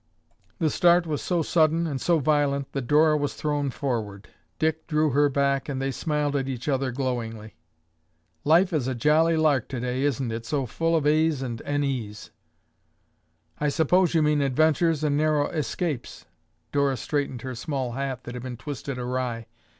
The start was so sudden and so violent that Dora was thrown forward. Dick drew her back and they smiled at each other glowingly. "Life is a jolly lark today, isn't it, so full of a.'s and n. e.'s." "I suppose you mean adventures and narrow escapes." Dora straightened her small hat that had been twisted awry.